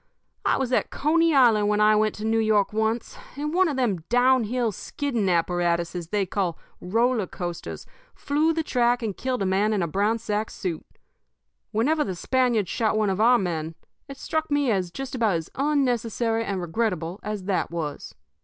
I was at Coney Island when I went to New York once, and one of them down hill skidding apparatuses they call 'roller coasters' flew the track and killed a man in a brown sack suit. Whenever the Spaniards shot one of our men, it struck me as just about as unnecessary and regrettable as that was.